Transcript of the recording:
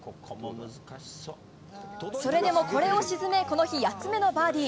それでも、これを沈めこの日、８つ目のバーディー。